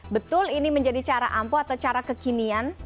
betul ini menjadi cara ampuh atau cara kekinian